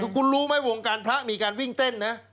คุณรู้ไหมวงการพระมีการวิ่งเต้นนะ